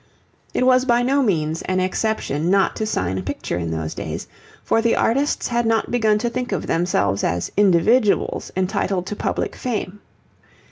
It was by no means an exception not to sign a picture in those days, for the artists had not begun to think of themselves as individuals entitled to public fame.